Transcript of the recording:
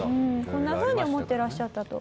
こんなふうに思ってらっしゃったと。